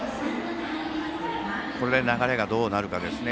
これで流れがどうなるかですね。